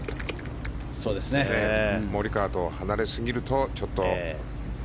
モリカワと離れすぎるとちょっと。